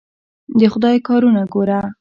د خدای کارونه ګوره!